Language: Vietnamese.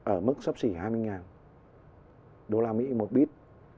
ở mức sắp xỉ hai mươi usd một bit